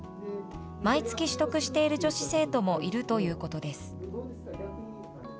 毎月取得している女子生徒もいるということです。